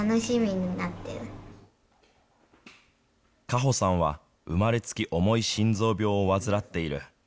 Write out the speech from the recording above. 果歩さんは、生まれつき重い心臓病を患っている。